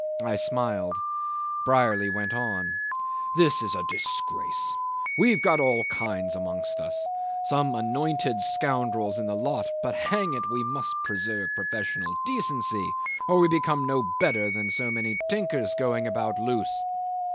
I smiled. Brierly went on: "This is a disgrace. We've got all kinds amongst us some anointed scoundrels in the lot; but, hang it, we must preserve professional decency or we become no better than so many tinkers going about loose.